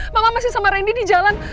mama masih sama randy di jalan